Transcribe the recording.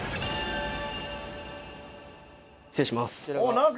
失礼します。